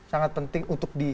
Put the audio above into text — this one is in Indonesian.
sangat penting untuk di